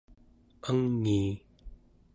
angii